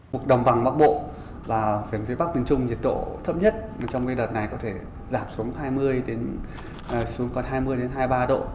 vùng đồng bằng bắc bộ và phía bắc miền trung nhiệt độ thấp nhất trong đợt này có thể giảm xuống hai mươi hai mươi ba độ